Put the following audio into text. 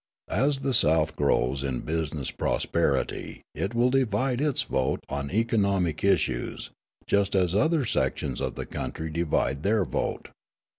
As the South grows in business prosperity it will divide its vote on economic issues, just as other sections of the country divide their vote.